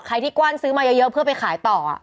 ใครที่กว้านซื้อมาเยอะเพื่อไปขายต่อ